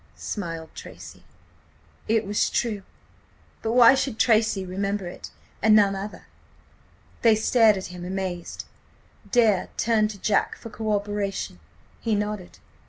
smiled Tracy. "It was true. But why should Tracy remember it, and none other? They stared at him, amazed. Dare turned to Jack for corroboration. He nodded.